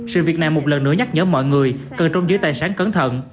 sự việc này một lần nữa nhắc nhở mọi người cần trông giữ tài sản cẩn thận